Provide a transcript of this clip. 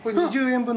２０円だ！